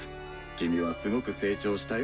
君はすごく成長したよ。